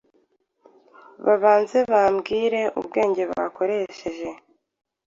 babanze bambwire ubwenge bakoresheje